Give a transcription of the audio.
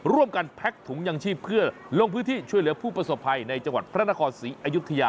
แก๊กถุงยังชีพเพื่อลงพื้นที่ช่วยเหลือผู้ประสบภัยในจังหวัดพระนครศรีอยุธยา